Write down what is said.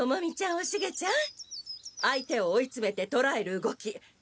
おシゲちゃん相手を追いつめてとらえる動きすばらしいわ。